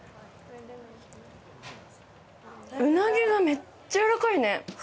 うなぎがめっちゃやわらかいね。